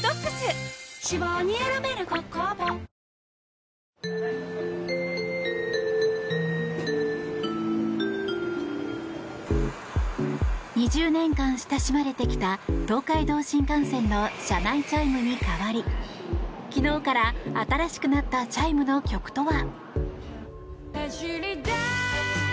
脂肪に選べる「コッコアポ」２０年間親しまれてきた東海道新幹線の車内チャイムに代わり昨日から新しくなったチャイムの曲とは？